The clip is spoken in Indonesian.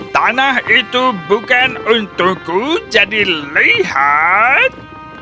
tanah itu bukan untukku jadi lihat